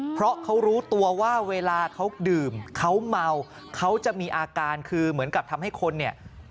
เพราะเขารู้ตัวว่าเวลาเขาดื่มเขาเมาเขาจะมีอาการคือเหมือนกับทำให้คนเนี่ย